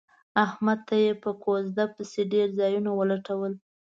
احمد ته یې په کوزده پسې ډېر ځایونه ولټول.